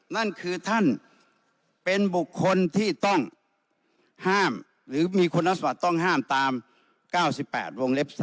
นั่นคือท่านเป็นบุคคลที่ต้องห้ามหรือมีคุณสมบัติต้องห้ามตาม๙๘วงเล็บ๓